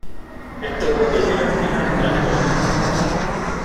Esto conducirá a un final trágico e inesperado.